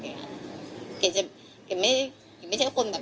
พี่ลองคิดดูสิที่พี่ไปลงกันที่ทุกคนพูด